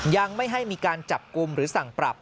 ยังไม่ให้มีการจับกลุ่มหรือสั่งปรับ